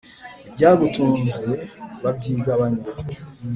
Ibyagutunze babyigabanya !